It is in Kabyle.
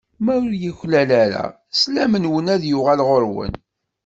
Ma ur yuklal ara, slam-nwen ad d-yuɣal ɣur-wen.